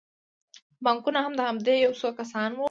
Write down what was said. بانکونه هم د همدې یو څو کسانو دي